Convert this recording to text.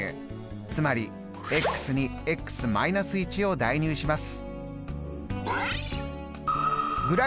つまりに−１を代入します。